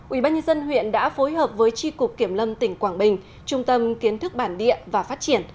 ubnd huyện đã phối hợp với tri cục kiểm lâm tỉnh quảng bình trung tâm kiến thức bản địa và phát triển